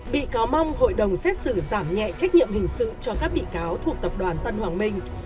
bị cáo mong hội đồng xét xử giảm nhẹ trách nhiệm hình sự cho các bị cáo thuộc tập đoàn tân hoàng minh